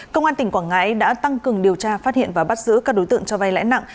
công an tỉnh quảng ngãi đã tăng cường điều tra phát hiện và bắt giữ các đối tượng cho vay lãi nặng